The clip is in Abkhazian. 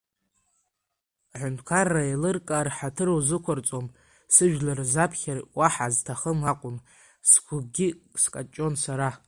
Аҳәынҭқараа еилыркаар ҳаҭыр узақәырҵом, сыжәлар заԥхьар уаҳа зҭахым акәын, сгәгьы сҟаҷон аха.